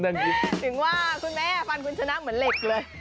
ถึงว่าคุณแม่ฟันคุณชนะเหมือนเหล็กเลย